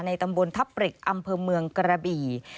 ตำบลทับปริกอำเภอเมืองกระบี่